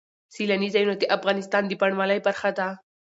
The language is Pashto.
سیلانی ځایونه د افغانستان د بڼوالۍ برخه ده.